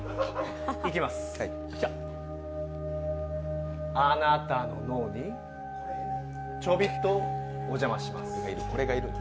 いきます、あなたの脳にちょびっとお邪魔します。